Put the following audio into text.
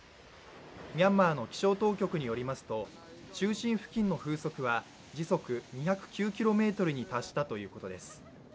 ミャンマーの気象当局によりますと、中心付近の風速は、時速２０９キロメートルに達したということです。